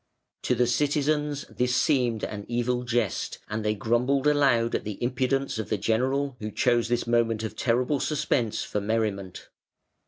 To the citizens this seemed an evil jest, and they grumbled aloud at the impudence of the general who chose this moment of terrible suspense for merriment.